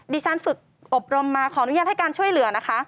ฉันฝึกอบรมมาขออนุญาตให้การช่วยเหลือนะคะ